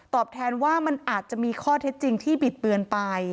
แทนว่ามันอาจจะมีข้อเท็จจริงที่บิดเบือนไป